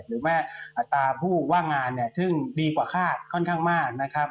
หรือว่าอัตราผู้ว่างงานเนี่ยซึ่งดีกว่าคาดค่อนข้างมากนะครับ